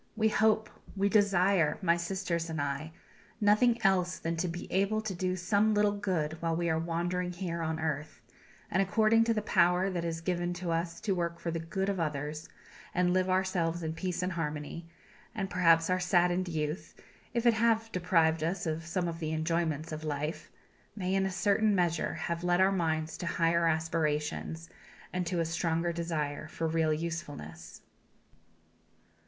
We hope we desire my sisters and I nothing else than to be able to do some little good while we are wandering here on earth, and according to the power that is given to us to work for the good of others, and live ourselves in peace and harmony; and perhaps our saddened youth, if it have deprived us of some of the enjoyments of life, may in a certain measure have led our minds to higher aspirations, and to a stronger desire for real usefulness."